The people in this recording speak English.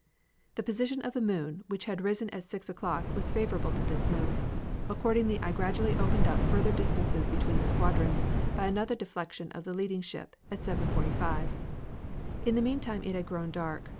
"The position of the moon, which had risen at six o'clock, was favorable to this move. Accordingly I gradually opened up further distances between the squadrons by another deflection of the leading ship, at 7.45. In the meantime it had grown dark.